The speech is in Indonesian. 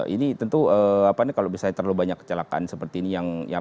ini tentu kalau misalnya terlalu banyak kecelakaan seperti ini